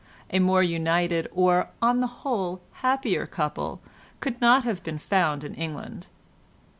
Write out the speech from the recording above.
A more united or, on the whole, happier, couple could not have been found in England.